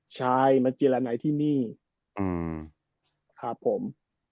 ใช่มาเจียรันไหนที่นี่ครับผม